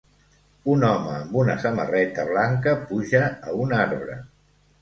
Un home amb una samarreta blanca puja a un arbre.